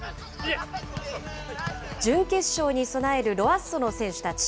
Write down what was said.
準決勝に備えるロアッソの選手たち。